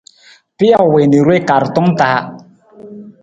Pijo wii na i ruwee kaartong taa.